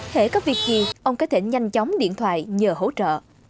hãy có việc gì ông có thể nhanh chóng điện thoại nhờ hỗ trợ